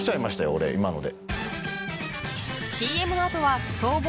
俺今ので。